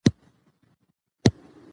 جانداد ډیررر کنجوس انسان ده